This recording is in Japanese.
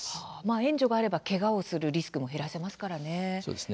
援助があればけがをするリスクも減らせますからね。